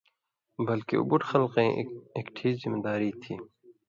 بلکےۡ اُو بُٹہۡ خلقئیں اکھٹی ذمہ واری تھی ،